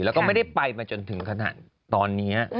แล้วก็ไม่ได้ไปมาจนถึงขนาดตอนนี้